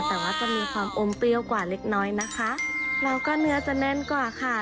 แต่ว่าจะมีความอมเปรี้ยวกว่าเล็กน้อยนะคะแล้วก็เนื้อจะแน่นกว่าค่ะ